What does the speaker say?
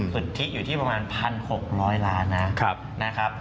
สุทธิอยู่ที่ประมาณ๑๖๐๐ล้านนะครับ